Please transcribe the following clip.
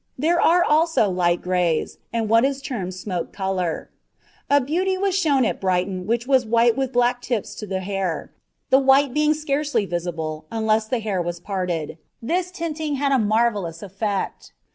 There are also light grays, and what is termed smoke colour; a beauty was shown at Brighton which was white with black tips to the hair, the white being scarcely visible, unless the hair was parted; this tinting had a marvellous effect.